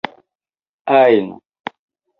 ajn